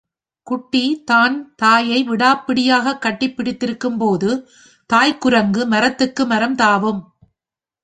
குட்டிதான் தாயை விடாப் பிடியாகக் கட்டிப் பிடித்திருக்கும் போது தாய்க் குரங்கு மரத்துக்கு மரம் தாவும்.